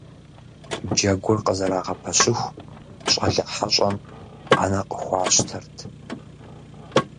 Джэгур къызэрагъэпэщыху, щӀалэ хьэщӀэм Ӏэнэ къыхуащтэрт.